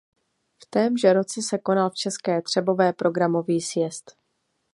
V témže roce se konal v České Třebové programový sjezd.